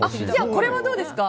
これはどうですか？